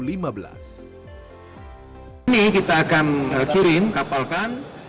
ini kita akan kirim kapalkan